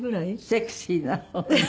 セクシーな方に。